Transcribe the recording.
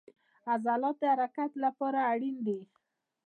عضلات د حرکت لپاره اړین دي